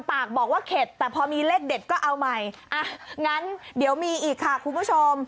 ปากบอกว่าเข็ดแต่พอมีเลขเด็ดก็เอาใหม่อ่ะงั้นเดี๋ยวมีอีกค่ะคุณผู้ชม